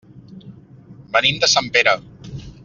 Venim de Sempere.